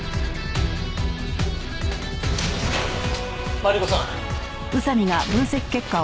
マリコさん。